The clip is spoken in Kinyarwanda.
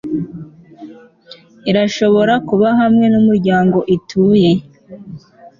irashobora kuba hamwe numuryango ituye